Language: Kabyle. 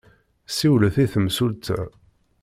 Siwlet i temsulta.